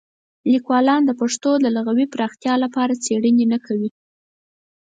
لیکوالان د پښتو د لغوي پراختیا لپاره څېړنې نه کوي.